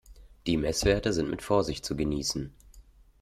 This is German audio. Die Messwerte sind mit Vorsicht zu genießen.